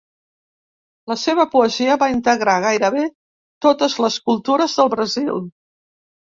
La seva poesia va integrar gairebé totes les cultures del Brasil.